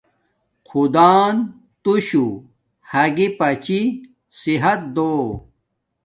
خدان توشو ھاگی پاچی صحت دو